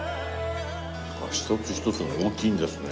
一つ一つが大きいんですね。